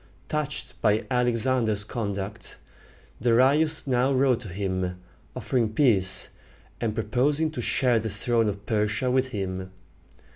Touched by Alexander's conduct, Darius now wrote to him, offering peace, and proposing to share the throne of Persia with him.